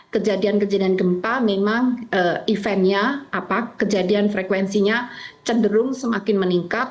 kejadian kejadian gempa memang eventnya kejadian frekuensinya cenderung semakin meningkat